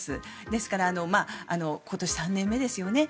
ですから、今年３年目ですよね。